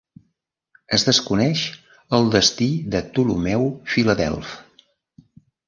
Es desconeix el destí de Ptolemeu Filadelf.